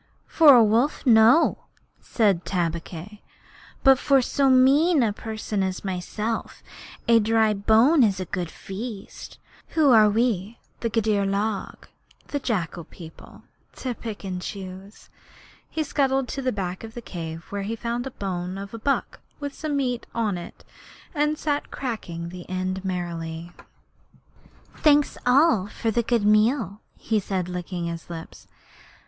'For a wolf, no,' said Tabaqui; 'but for so mean a person as myself a dry bone is a good feast. Who are we, the Gidur log [the jackal people], to pick and choose?' He scuttled to the back of the cave, where he found the bone of a buck with some meat on it, and sat cracking the end merrily. 'All thanks for this good meal,' he said, licking his lips.